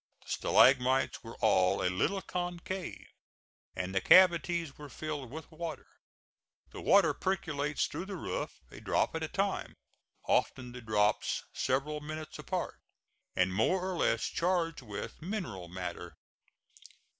The stalagmites were all a little concave, and the cavities were filled with water. The water percolates through the roof, a drop at a time often the drops several minutes apart and more or less charged with mineral matter.